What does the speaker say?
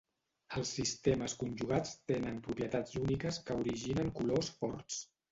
Els sistemes conjugats tenen propietats úniques que originen colors forts.